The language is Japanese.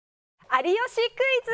『有吉クイズ』！